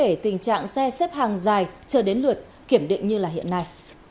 đáng kể tình trạng xe xếp hàng dài chờ đến lượt kiểm định như hiện nay